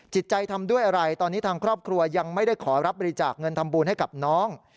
จิตใจทำด้วยอะไรตอนนี้ทางครอบครัวยังไม่ได้ขอรับบริจาคเงินทำบุญให้กับน้อง